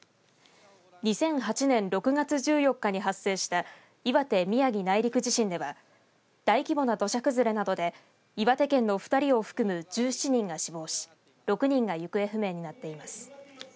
２００８年６月１４日に発生した岩手・宮城内陸地震では大規模な土砂崩れなどで岩手県の２人を含む１７人が死亡し６人が行方不明になっています。